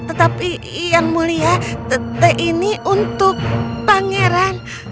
tetapi yang mulia teh ini untuk pangeran